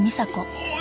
おい！